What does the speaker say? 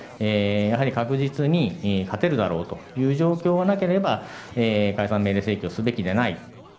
やはり確実に勝てるだろうという状況がなければ、解散命令請求をすべきでない。